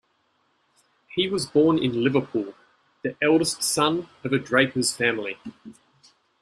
He was born in Liverpool, the eldest son of a draper's family.